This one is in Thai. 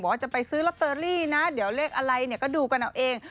ว่าจะไปซื้อลอตเตอรี่นะเดี๋ยวเลขอะไรเนี่ยก็ดูกันเอาเอง